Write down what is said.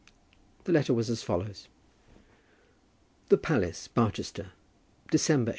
The letter was as follows: The Palace, Barchester, December, 186